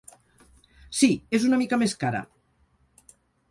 Sí, és una mica més cara.